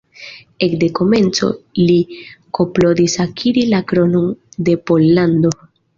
Ekde komenco li klopodis akiri la kronon de Pollando.